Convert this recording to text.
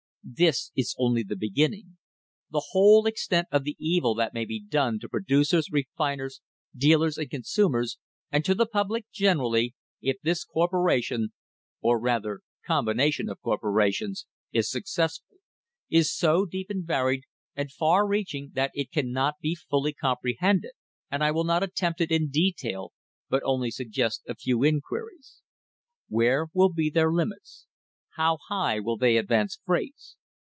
This is only the beginning. The whole extent of the evil that may be done to pro ducers, refiners, dealers and consumers, and to the public generally, if this cor poration — or rather combination of corporations — is successful, is so deep and varied and far reaching, that it cannot be fully comprehended and I will not attempt it in detail, but only suggest a few inquiries. Where will be their limits ? How high will they advance freights